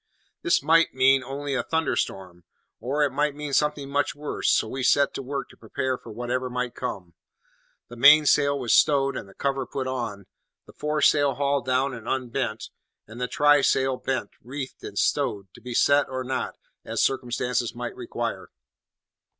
This might mean only a thunderstorm, or it might mean something much worse, so we set to work to prepare for whatever might come. The mainsail was stowed and the cover put on, the foresail hauled down and unbent, and the trysail bent, reefed, and stowed, to be set or not, as circumstances might require.